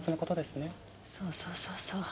そうそうそうそう。